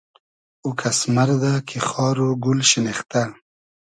او کئس مئردۂ کی خار و گول شینیختۂ